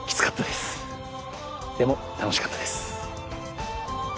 でも楽しかったです。